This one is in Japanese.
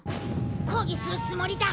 抗議するつもりだ。